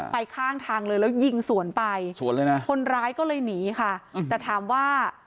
ข้างทางเลยแล้วยิงสวนไปสวนเลยนะคนร้ายก็เลยหนีค่ะแต่ถามว่า